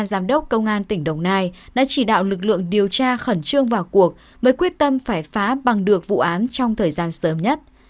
giám đốc công an tỉnh đồng nai đã chỉ đạo lực lượng điều tra khẩn trương vào cuộc với quyết tâm phải phá bằng được vụ án trong thời gian sớm nhất